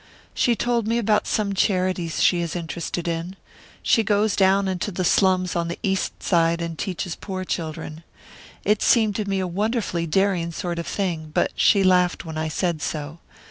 She told me about some charities she is interested in. She goes down into the slums, on the East Side, and teaches poor children. It seemed to me a wonderfully daring sort of thing, but she laughed when I said so.